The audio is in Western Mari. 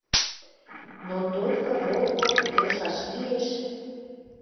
Но толькы, Волков, толшаш иэш